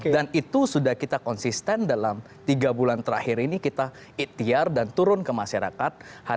dan itu sudah kita konsisten dalam tiga bulan terakhir ini kita itiar dan turun ke masyarakat